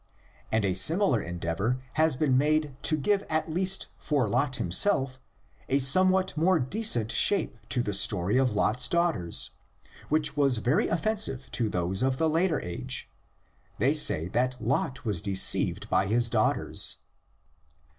And a similar endeavor has been made to give at least for Lot himself a somewhat more decent shape to the story of Lot's daughters, which was very offensive to those of the later age: they say that Lot was deceived by his daughters.